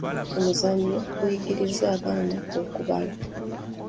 Omuzannyo oguyigiriza abaana okubala.